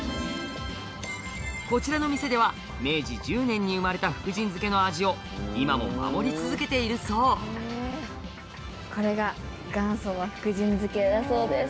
こちらの店では明治１０年に生まれた福神漬の味を今も守り続けているそうこれが元祖福神漬だそうです。